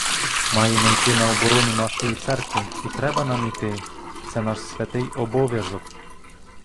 Маємо йти на оборону нашої церкви і треба нам іти, це наш святий обов'язок.